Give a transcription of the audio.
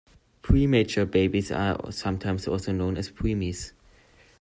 Premature babies are sometimes also known as preemies.